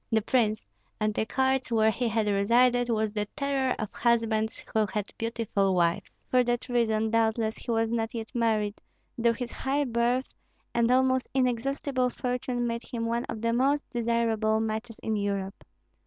The prince, at the courts where he had resided, was the terror of husbands who had beautiful wives. For that reason, doubtless, he was not yet married, though his high birth and almost inexhaustible fortune made him one of the most desirable matches in Europe.